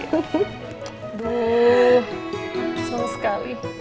aduh senang sekali